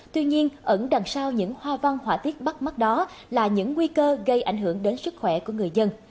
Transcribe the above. tuy nhiên ẩn đằng sau những hoa văn họa tiết bắt mắt đó là những nguy cơ gây ảnh hưởng đến sức khỏe của người dân